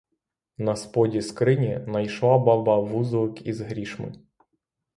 На споді скрині найшла баба вузлик із грішми.